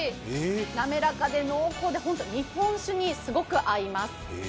なめらかで濃厚で日本酒にすごく合います。